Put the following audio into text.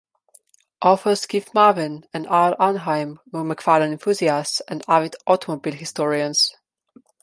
Authors Keith Marvin and Al Arnheim were McFarlan enthusiasts and avid automobile historians.